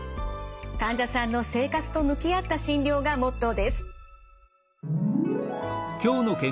患者さんの生活と向き合った診療がモットーです。